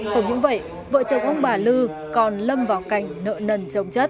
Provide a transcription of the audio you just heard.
không những vậy vợ chồng ông bà lư còn lâm vào cạnh nợ nần